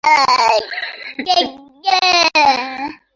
Ni wa kwanza kutoka makabila ya Waindio.